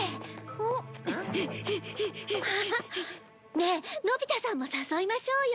ねえのび太さんも誘いましょうよ。